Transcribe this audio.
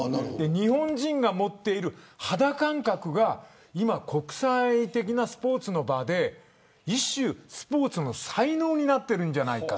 日本人が持っている肌感覚が今、国際的なスポーツの場で一種、スポーツの才能になっているんじゃないか。